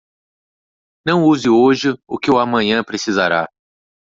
Não use hoje o que o amanhã precisará.